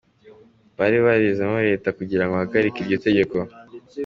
Bari barezemo leta, kugirango bahagarike iryo tegeko.